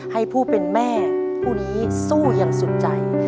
ให้ผู้เป็นแม่ผู้นี้สู้อย่างสุดใจ